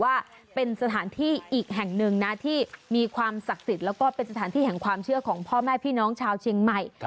ว่าเป็นสถานที่อีกแห่งหนึ่งนะที่มีความศักดิ์สิทธิ์แล้วก็เป็นสถานที่แห่งความเชื่อของพ่อแม่พี่น้องชาวเชียงใหม่